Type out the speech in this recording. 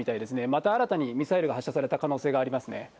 また新たに、ミサイルが発射された可能性がありますね。